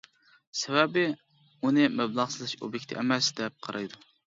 سەۋەبى، ئۇنى مەبلەغ سېلىش ئوبيېكتى ئەمەس دەپ قارايدۇ.